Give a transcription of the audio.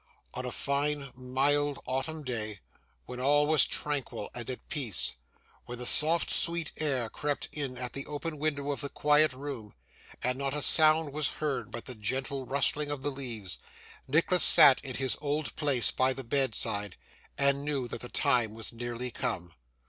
On a fine, mild autumn day, when all was tranquil and at peace: when the soft sweet air crept in at the open window of the quiet room, and not a sound was heard but the gentle rustling of the leaves: Nicholas sat in his old place by the bedside, and knew that the time was nearly come.